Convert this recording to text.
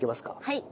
はい。